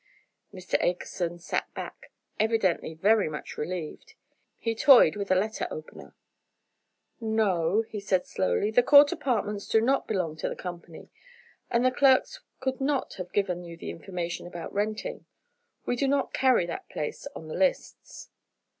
Mr. Akerson sat back, evidently very much relieved. He toyed with a letter opener. "No," he said slowly, "the Court Apartments do not belong to the company, and the clerks could not have given you the information about renting. We do not carry that place on the lists."